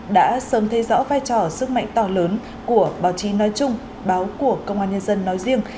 đã sớm thấy rõ vai trò sức mạnh to lớn của báo chí nói chung báo của công an nhân dân nói riêng